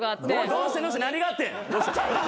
どうしたどうした何があってん？